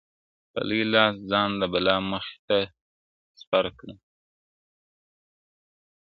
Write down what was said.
په لوی لاس ځان د بلا مخي ته سپر کړم؛